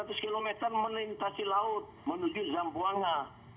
ya dua ratus kilometer menelitasi laut menuju jambuanga